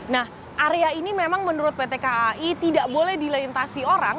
nah area ini memang menurut pt kai tidak boleh dilintasi orang